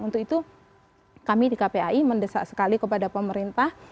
untuk itu kami di kpai mendesak sekali kepada pemerintah